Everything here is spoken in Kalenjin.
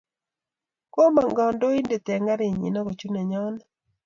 Komong kandoindet eng kariny akochut nenyondet